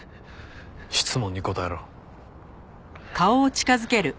質問に答えろ。